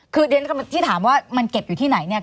คือเรียนที่ถามว่ามันเก็บอยู่ที่ไหนเนี่ย